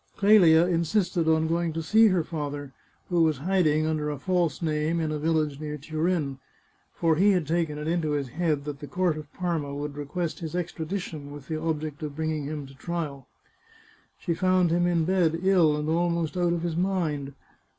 Clelia insisted on going to see her father, who was hiding under a false name in a village near Turin; for he had taken it into his head that the court of Parma would request his extradition, with the object of bringing him to trial. She 489 The Chartreuse of Parma found him in bed, ill, and almost out of his mind.